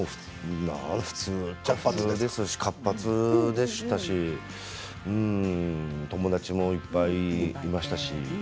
普通っちゃ普通ですし活発でしたし友達もいっぱいいましたし。